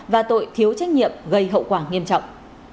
và tội thiếu trách nhiệm gây hậu quả nghiêm trọng